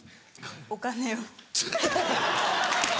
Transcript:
お金を。